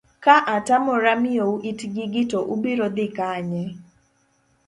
ka atamora miyou it gigi to ubiro dhi kanye?